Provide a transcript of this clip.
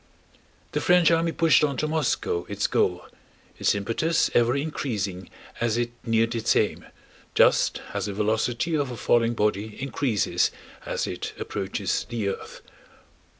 The French army pushed on to Moscow, its goal, its impetus ever increasing as it neared its aim, just as the velocity of a falling body increases as it approaches the earth.